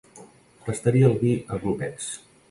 Tastaria el vi a glopets.